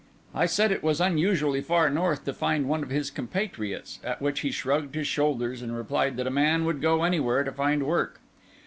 I said it was unusually far north to find one of his compatriots; at which he shrugged his shoulders, and replied that a man would go anywhere to find work.